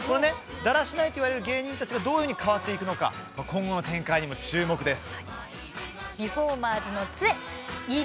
だらしないと思われている芸人さんたちがどう変わっていくのか今後の展開にも注目です。